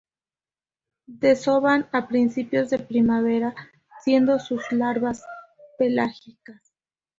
Desovan a principios de la primavera, siendo sus larvas pelágicas.